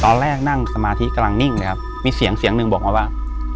ตอนแรกนั่งสมาธิกำลังนิ่งเลยครับมีเสียงหนึ่งบอกมาว่า